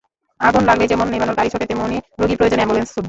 আগুন লাগলেই যেমন নেভানোর গাড়ি ছোটে, তেমনি রোগীর প্রয়োজনে অ্যাম্বুলেন্স ছুটবে।